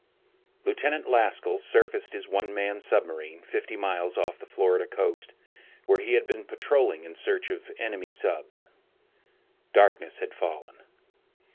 _] Lieutenant Laskell surfaced his one man submarine fifty miles off the Florida coast where he had been patrolling in search of enemy subs. Darkness had fallen.